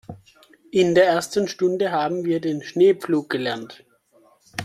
In der ersten Stunde haben wir den Schneepflug gelernt.